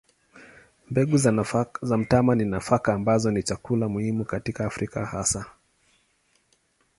Mbegu za mtama ni nafaka ambazo ni chakula muhimu katika Afrika hasa.